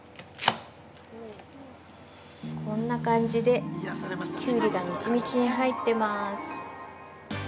◆こんな感じで、キュウリがみちみちに入ってます。